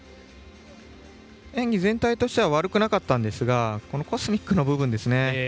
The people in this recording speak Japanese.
演技全体としては悪くなかったんですがコスミックの部分。